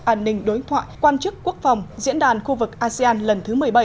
an ninh đối thoại quan chức quốc phòng diễn đàn khu vực asean lần thứ một mươi bảy